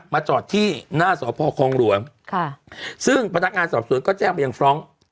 จอดที่หน้าสพคลองหลวงค่ะซึ่งพนักงานสอบสวนก็แจ้งไปยังฟรองก์